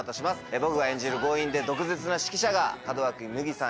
僕が演じる強引で毒舌な指揮者が門脇麦さん